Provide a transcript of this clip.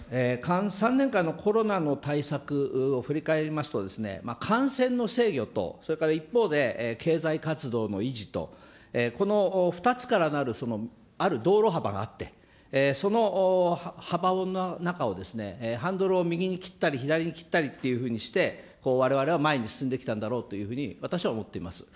３年間のコロナの対策を振り返りますと、感染の制御と、それから一方で経済活動の維持と、この２つからなるある道路幅があって、その幅の中をハンドルを右に切ったり左に切ったりっていうふうにしたりして、われわれは前に進んできたんだろうというふうに、私は思っています。